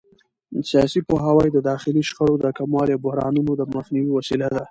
سیاسي پوهاوی د داخلي شخړو د کمولو او بحرانونو د مخنیوي وسیله ده